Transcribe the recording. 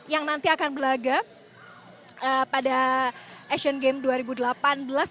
yang nanti akan berlaga pada asian games dua ribu delapan belas